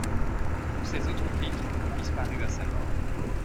Tous ses autres titres ont disparu à sa mort.